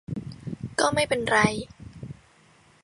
ก็ไม่เป็นไร